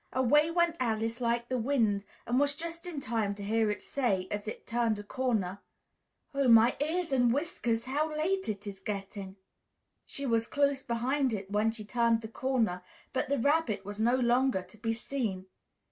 Away went Alice like the wind and was just in time to hear it say, as it turned a corner, "Oh, my ears and whiskers, how late it's getting!" She was close behind it when she turned the corner, but the Rabbit was no longer to be seen.